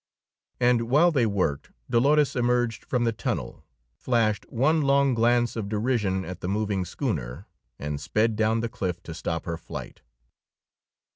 And while they worked, Dolores emerged from the tunnel, flashed one long glance of derision at the moving schooner, and sped down the cliff to stop her flight.